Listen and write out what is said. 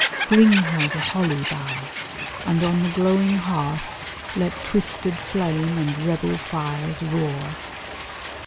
Bear her the holly bough. And on the glowing hearth Let twisted flame and rebel fires roar.